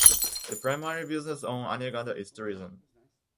The primary business on Anegada is tourism.